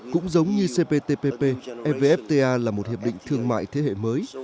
cũng giống như cptpp evfta là một hiệp định thương mại thế hệ mới